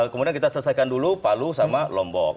kemudian kita selesaikan dulu palu sama lombok